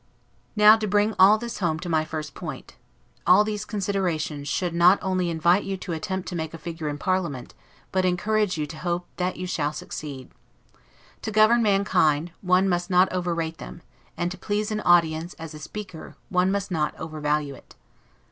Now, to bring all this home to my first point. All these considerations should not only invite you to attempt to make a figure in parliament, but encourage you to hope that you shall succeed. To govern mankind, one must not overrate them: and to please an audience, as a speaker, one must not overvalue it.